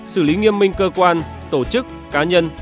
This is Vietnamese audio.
một mươi xử lý nghiêm minh cơ quan tổ chức cá nhân